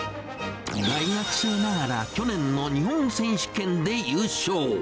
大学生ながら去年の日本選手権で優勝。